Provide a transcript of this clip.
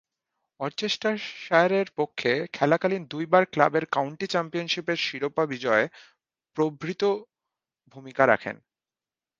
ওরচেস্টারশায়ারের পক্ষে খেলাকালীন দুইবার ক্লাবের কাউন্টি চ্যাম্পিয়নশীপের শিরোপা বিজয়ে প্রভূতঃ ভূমিকা রাখেন।